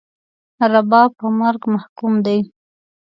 رباب په مرګ محکوم دی